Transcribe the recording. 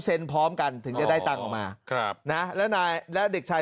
พร้อมกันถึงจะได้ตังค์ออกมาครับนะแล้วนายและเด็กชาย